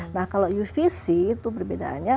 nah kalau uvc itu perbedaannya